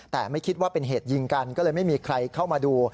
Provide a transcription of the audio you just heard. แต่ไม่คิดว่าเป็นเหตุยิงกันก็เลยไม่มีใครเข้ามาดู